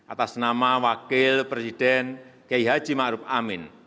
atas nama wakil presiden geyh haji ma'ruf amin